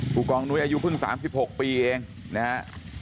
ผู้กองนุ้ยอายุเพิ่ง๓๖ปีเองนะฮะ